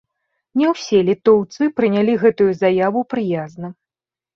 Ня ўсе літоўцы прынялі гэтую заяву прыязна.